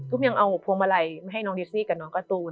ยังเอาพวงมาลัยมาให้น้องดิสซี่กับน้องการ์ตูน